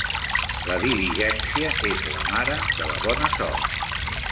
La diligència és la mare de la bona sort.